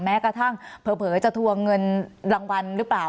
แม้กระทั่งเผลอจะทวงเงินรางวัลหรือเปล่า